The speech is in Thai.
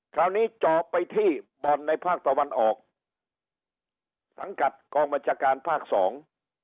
จอบไปที่บ่อนในภาคตะวันออกสังกัดกองบัญชาการภาคสอง